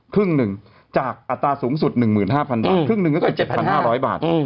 ครึ่งหนึ่งจากอัตราสูงสุด๑๕๐๐บาทครึ่งหนึ่งก็คือ๗๕๐๐บาท